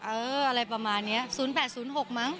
อะไรประมาณนี้๐๘๐๖มั้ง